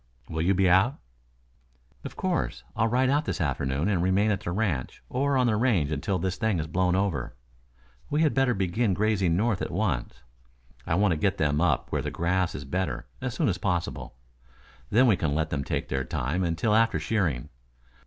"Will you be out?" "Of course. I'll ride out this afternoon and remain at the ranch or on the range until this thing has blown over. We had better begin grazing north at once. I want to get them up where the grass is better, as soon as possible. Then you can let them take their time until after shearing.